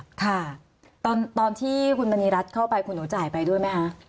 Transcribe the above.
ค่ะตอนที่คุณมณีรัฐเข้าไปคุณหนูจ่ายไปด้วยไหมคะ